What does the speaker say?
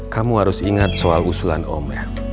kamu harus ingat soal usulan omel